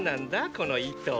この糸。